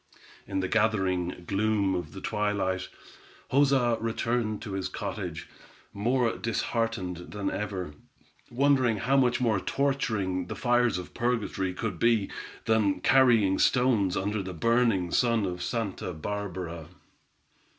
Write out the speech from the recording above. In the gathering gloom of the twilight, Joza returned to his cottage, more disheartened than ever, wondering how much more torturing the fires of purgatory could be, than carrying stones under the burning sun of Santa Barbara.